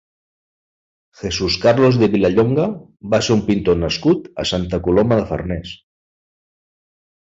Jesus Carlos de Vilallonga va ser un pintor nascut a Santa Coloma de Farners.